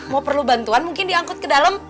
mau perlu bantuan mungkin diangkut ke dalam